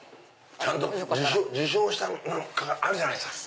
ちゃんと受賞した何かがあるじゃないですか。